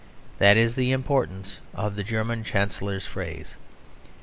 That is the importance of the German Chancellor's phrase.